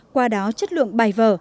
qua đó chất lượng bài vở